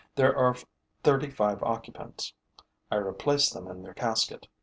There are thirty five occupants. I replace them in their casket.